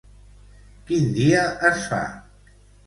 Quin dia es fa?